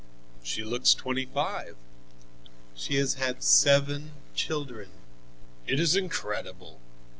"She looks twenty five." "She has had seven children." "It is incredible."